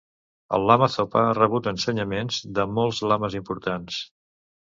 El lama Zopa ha rebut ensenyaments de molts lames importants.